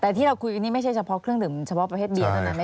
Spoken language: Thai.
แต่ที่เราคุยกันนี่ไม่ใช่เฉพาะเครื่องดื่มเฉพาะประเภทเดียวเท่านั้นนะ